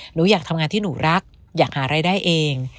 หนูอยากทำงานที่หนูรักอยากหารายได้เอง